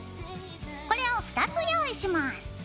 これを２つ用意します。